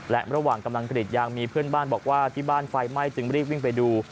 และระหว่างกำลังกรีดยางมีเพื่อนบ้านบอกว่าที่บ้านไฟไหม้จึงรีบวิ่งไปดู